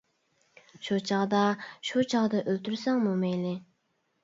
شۇ چاغدا. شۇ چاغدا ئۆلتۈرسەڭمۇ مەيلى.